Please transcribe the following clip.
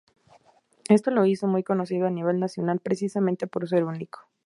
Esto lo hizo muy conocido a nivel nacional, precisamente por ser único.